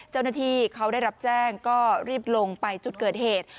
เจ้าหน้าที่เขาได้รับแจ้งก็รีบลงไปจุดเกิดเหตุ